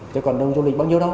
chứ còn đông du lịch bao nhiêu đâu